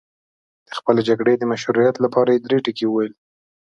د خپلې جګړې د مشروعیت لپاره یې درې ټکي وویل.